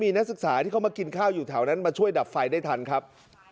นักศึกษาที่เขามากินข้าวอยู่แถวนั้นมาช่วยดับไฟได้ทันครับ